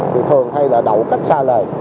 thường hay là đậu cách xa lời